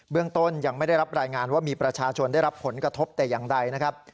เรื่องต้นยังไม่ได้รับรายงานว่ามีประชาชนได้รับผลกระทบแต่อย่างใดนะครับ